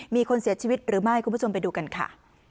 มีคนเสียชีวิตหรือไม่คุณผู้ชมไปดูกันค่ะ